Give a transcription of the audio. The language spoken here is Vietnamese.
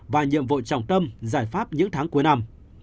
và nhiệm vụ trọng tâm giải pháp những tháng cuối năm